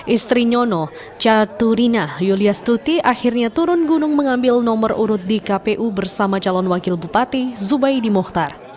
istri nyono caturina yuliastuti akhirnya turun gunung mengambil nomor urut di kpu bersama calon wakil bupati zubaidi mohtar